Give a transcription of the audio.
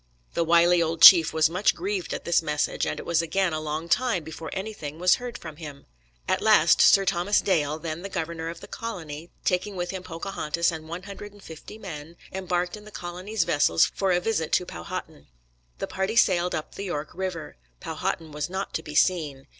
The wily old chief was much grieved at this message, and it was again a long time before anything was heard from him. At last Sir Thomas Dale, then the governor of the colony, taking with him Pocahontas and one hundred and fifty men, embarked in the colony's vessels for a visit to Powhatan. The party sailed up the York River. Powhatan was not to be seen.